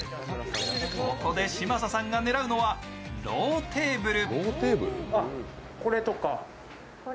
ここで嶋佐さんが狙うのはローテーブル。